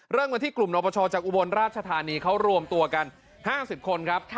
เริ่มกันที่กลุ่มนปชจากอุบลราชธานีเขารวมตัวกัน๕๐คนครับ